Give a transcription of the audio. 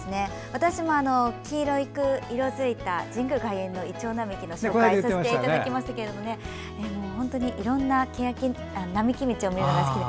私も黄色く色づいた神宮外苑のイチョウ並木を取材させていただきましたけど本当にいろんな並木道を見るのが好きで。